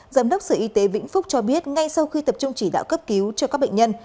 giám đốc sở y tế vĩnh phúc cho biết ngay sau khi tập trung chỉ đạo cấp cứu cho các bệnh nhân